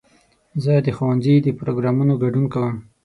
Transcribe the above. زه د ښوونځي د پروګرامونو ګډون کوم.